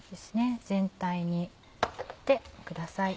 全体に振ってください。